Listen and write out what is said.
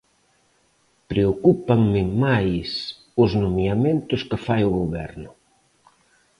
Preocúpanme máis os nomeamentos que fai o Goberno.